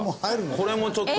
これもちょっと。